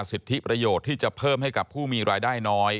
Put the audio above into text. สิทธิประโยชน์ที่จะเพิ่มให้กับผู้มีรายได้น้อย